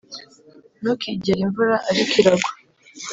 ntukigere imvura ariko iragwa -